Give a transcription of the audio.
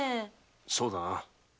そうだな。